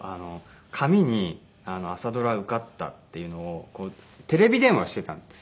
紙に「朝ドラ受かった」っていうのをテレビ電話していたんですよ。